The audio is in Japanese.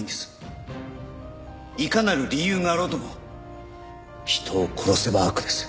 いかなる理由があろうとも人を殺せば悪です。